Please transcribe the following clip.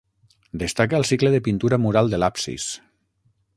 Destaca el cicle de pintura mural de l'absis.